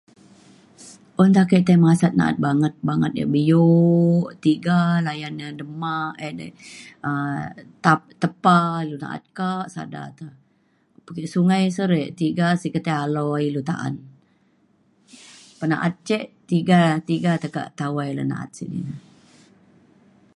un ake tai masat na’at banget banget yak bio tiga layan ne dema edei ta- tepa lu na’at kak sada te. pe- sungai se re tiga siget tai aloi ilu ta’an pena’at ce tiga tiga tekak tawai le na’at sidi ne.